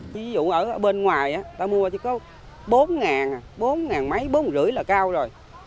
ví dụ ở bên ngoài ta mua chỉ có bốn bốn năm trăm linh là cao rồi